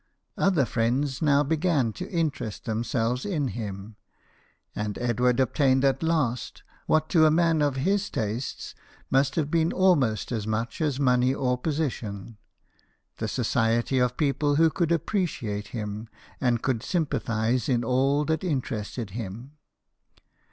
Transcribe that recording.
Other friends now began to interest them THOMAS EDWARD, SHOEMAKER, 183 selves in him ; and Edward obtained at last, what to a man of his tastes must have been almost as much as money or position the society of people who could appreciate him, and con d sympathize in all that interested him.